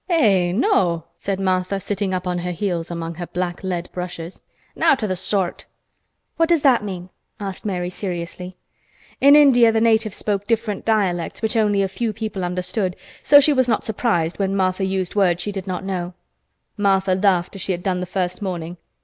"Eh! no!" said Martha, sitting up on her heels among her black lead brushes. "Nowt o' th' soart!" "What does that mean?" asked Mary seriously. In India the natives spoke different dialects which only a few people understood, so she was not surprised when Martha used words she did not know. Martha laughed as she had done the first morning.